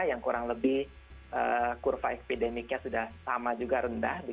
yang kurang lebih kurva epidemiknya sudah sama juga rendah